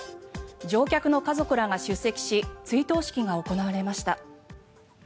乗客の家族らが出席し追悼式が行われました。